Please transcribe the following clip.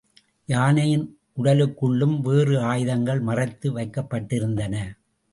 யானையின் உடலுக்குள்ளும் வேறு ஆயுதங்கள் மறைத்து வைக்கப்பட்டிருந்தன.